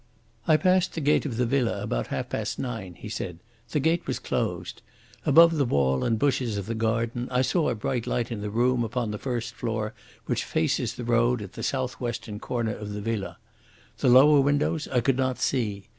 "I passed the gate of the villa about half past nine," he said. "The gate was closed. Above the wall and bushes of the garden I saw a bright light in the room upon the first floor which faces the road at the south western comer of the villa. The lower windows I could not see.